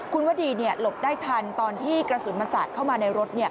คุณวดีหลบได้ทันตอนที่กระสุนมันสาดเข้ามาในรถ